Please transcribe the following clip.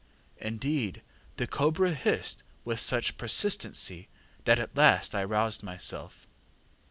Indeed, the cobra hissed with such persistency that at last I roused myself.